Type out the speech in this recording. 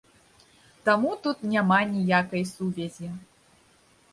Таму тут няма ніякай сувязі.